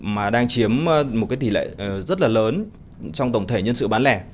mà đang chiếm một cái tỷ lệ rất là lớn trong tổng thể nhân sự bán lẻ